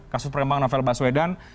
kasus perkembangan novel baswedan